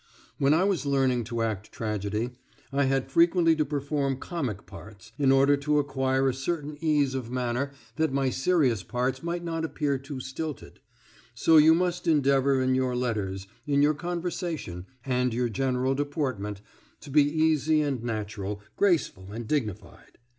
When I was learning to act tragedy, I had frequently to perform comic parts, in order to acquire a certain ease of manner that my serious parts might not appear too stilted; so you must endeavour in your letters, in your conversation, and your general deportment, to be easy and natural, graceful and dignified.